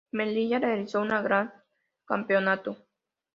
Melilla realizando un gran campeonato.